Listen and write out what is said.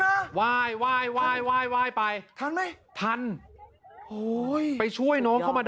เห็นผู้ชายขึ้นมา